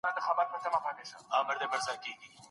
خاطرې زموږ د ژوند کیسه ده.